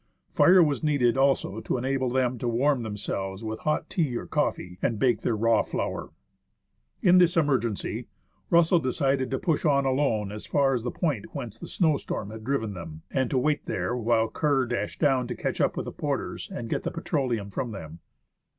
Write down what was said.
Fire was needed also to enable them to warm themselves with hot tea or coffee and bake their raw flour. In this emergency, Russell decided to push on alone as far as the point whence the snow storm 57 THE ASCENT OF MOUNT ST. ELIAS had driven them, and to wait there while Kerr dashed down to catch up the porters and get the petroleum from them.